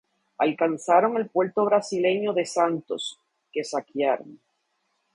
Alcanzaron el puerto brasileño de Santos, que saquearon.